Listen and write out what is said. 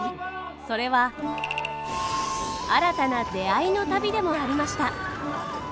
それは新たな出会いの旅でもありました。